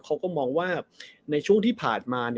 เขาก็มองว่าในช่วงที่ผ่านมา